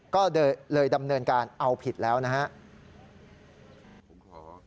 ก็เลยดำเนินการเอาผิดแล้วนะครับ